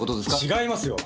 違いますよ！